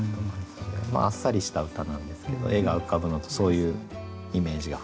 まああっさりした歌なんですけど絵が浮かぶのとそういうイメージが膨らんで。